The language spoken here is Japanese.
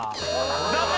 残念！